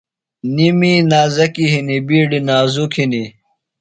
نیۡ می نازکیۡ ہِنیۡ بِیڈیۡ نازُک ہِنیۡ